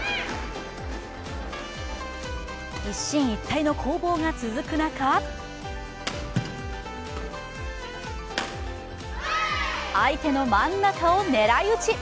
一進一退の攻防が続く中相手の真ん中を狙い打ち。